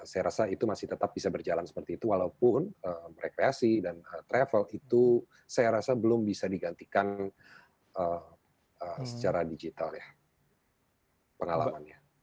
saya rasa itu masih tetap bisa berjalan seperti itu walaupun rekreasi dan travel itu saya rasa belum bisa digantikan secara digital ya pengalamannya